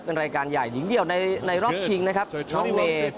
เป็นรายการใหญ่หญิงเดี่ยวในรอบชิงนะครับน้องเมย์